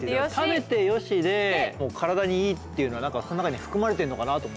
食べて良しで体にいいっていうのは何かその中に含まれてるのかなと思ってて。